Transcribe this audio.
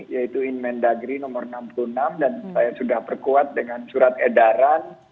yaitu inmen dagri nomor enam puluh enam dan saya sudah perkuat dengan surat edaran